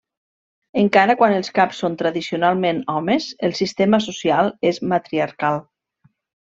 Encara quan els caps són tradicionalment homes, el sistema social és matriarcal.